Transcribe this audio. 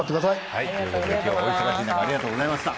はいという事で今日はお忙しい中ありがとうございました。